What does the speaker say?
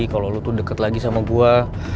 kalau lo tuh deket lagi sama gue